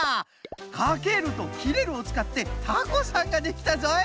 「かける」と「きれる」をつかってタコさんができたぞい。